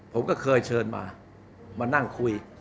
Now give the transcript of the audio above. ผมก็เคยเชิญมามานั่งคุย